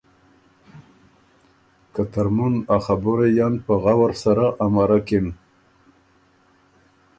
که ترمُن ا خبُرئ ان په غؤر سره امرکِن